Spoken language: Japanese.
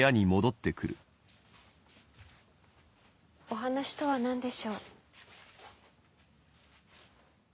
お話とは何でしょう？